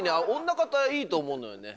女形いいと思うのよね